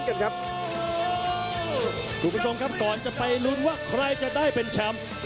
คุณผู้ชมครับก่อนจะไปลุ้นว่าใครจะได้เป็นแชมป์